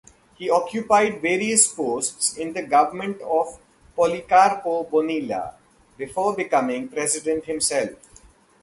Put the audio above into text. He occupied various posts in the government of Policarpo Bonilla, before becoming President himself.